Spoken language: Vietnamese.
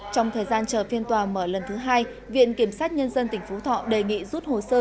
trong thời gian chờ phiên tòa mở lần thứ hai viện kiểm sát nhân dân tỉnh phú thọ đề nghị rút hồ sơ